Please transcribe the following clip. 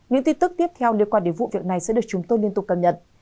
những tin tức tiếp theo liên quan đến vụ việc này sẽ được chúng tôi liên tục cập nhật